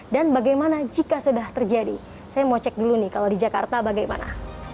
dan bagaimana jika sudah terjadi saya mau cek dulu nih kalau di jakarta bagaimana